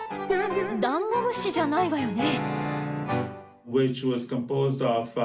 ダンゴ虫じゃないわよね？